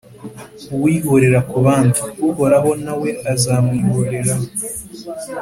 Uwihorera ku bandi, Uhoraho na we azamwihoreraho,